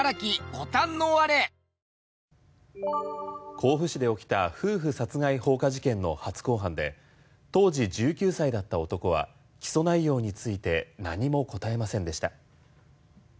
甲府市で起きた夫婦殺害放火事件の初公判で当時１９歳だった男は起訴内容について何も答えませんでした。